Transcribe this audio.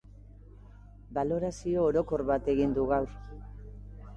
Balorazio orokor bat egin du gaur.